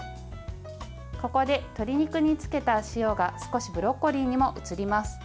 ここで鶏肉につけた塩が少しブロッコリーにも移ります。